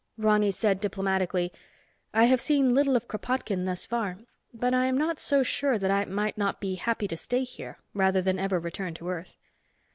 Ronny said diplomatically, "I have seen little of Kropotkin thus far but I am not so sure but that I might not be happy to stay here, rather than ever return to Earth."